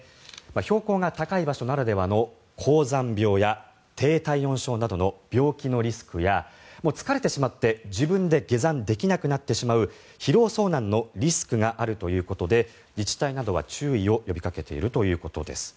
標高が高い場所ならではの高山病や低体温症などの病気のリスクや疲れてしまって自分で下山できなくなってしまう疲労遭難のリスクがあるということで自治体などは注意を呼びかけているということです。